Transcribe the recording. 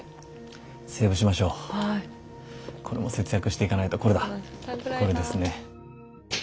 これも節約していかないとこれだこれですね。